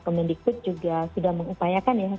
kemendikbud juga sudah mengupayakan ya